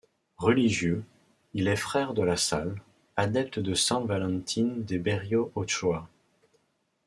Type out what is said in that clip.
Religieux, il est frère de La Salle, adepte de San Valentín de Berrio-Ochoa.